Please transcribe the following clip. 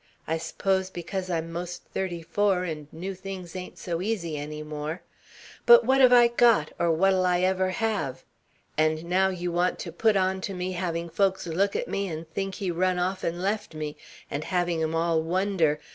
I s'pose because I'm most thirty four and new things ain't so easy any more but what have I got or what'll I ever have? And now you want to put on to me having folks look at me and think he run off and left me, and having 'em all wonder....